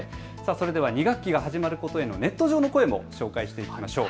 ２学期が始まることへのネット上の声もご紹介していきましょう。